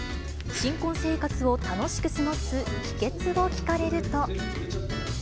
新婚生活を楽しく過ごす秘けつを聞かれると。